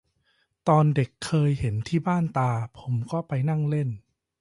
ตอนเด็กเคยเห็นที่บ้านตา ผมก็ไปนั่งเล่น